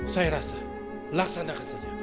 saya rasa laksanakan saja